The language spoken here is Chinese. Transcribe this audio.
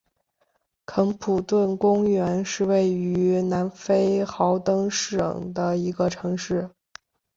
肯普顿公园是位于南非豪登省的一个城市。